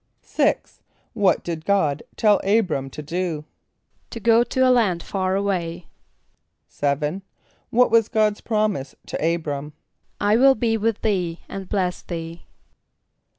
= =6.= What did God tell [=A]´br[)a]m to do? =To go to a land far away.= =7.= What was God's promise to [=A]´br[)a]m? ="I will be with thee and bless thee."